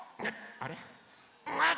あれ？